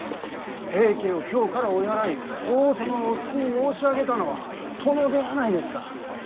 平家を京から追い払い法皇様をお救い申し上げたのは殿ではないですか。